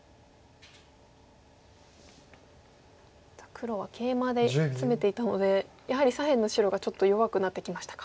黒はケイマでツメていたのでやはり左辺の白がちょっと弱くなってきましたか。